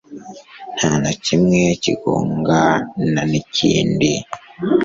nta na kimwe kigongana n'ikindi